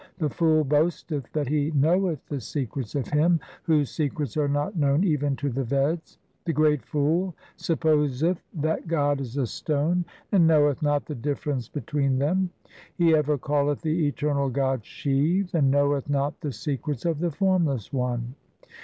The fool boasteth that he knoweth the secrets of Him Whose secrets are not known even to the Veds. The great fool supposeth that God is a stone, And knoweth not the difference between them ; He ever calleth the Eternal God Shiv, And knoweth not the secrets of the Formless One.